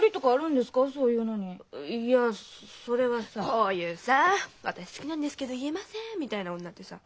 こういうさ「私好きなんですけど言えません」みたいな女ってさ